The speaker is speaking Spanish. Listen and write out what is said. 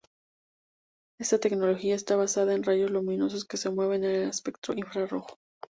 Esta tecnología está basada en rayos luminosos que se mueven en el espectro infrarrojo.